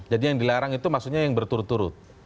yang dilarang itu maksudnya yang berturut turut